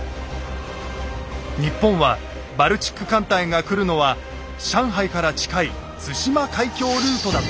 日本はバルチック艦隊が来るのは上海から近い対馬海峡ルートだと判断。